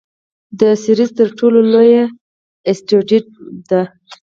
د سیریز تر ټولو لویه اسټرويډ ده.